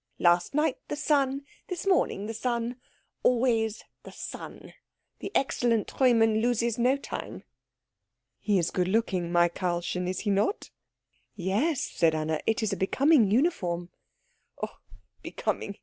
Last night the son, this morning the son always the son. The excellent Treumann loses no time." "He is good looking, my Karlchen, is he not?" "Yes," said Anna. "It is a becoming uniform." "Oh becoming!